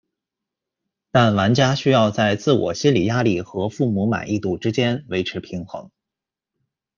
但玩家需要在自我心理压力和父母满意度之间维持平衡。